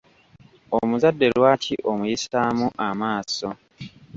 Omuzadde lwaki omuyisaamu amaaso?